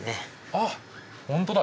あっ本当だ。